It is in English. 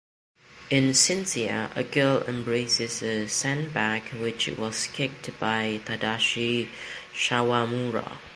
In Cynthia, a girl embraces a sandbag which was kicked by Tadashi Sawamura.